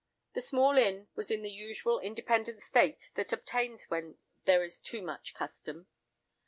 The small inn was in the usual independent state that obtains when there is too much custom.